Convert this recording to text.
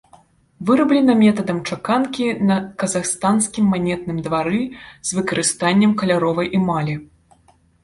Выраблена метадам чаканкі на казахстанскім манетным двары з выкарыстаннем каляровай эмалі.